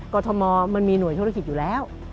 กรทมมันมีหน่วยธุรกิจอยู่แล้ว